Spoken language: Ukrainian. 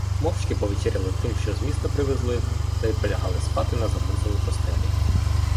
Мовчки повечеряли тим, що з міста привезли, та й полягали спати на замурзані постелі.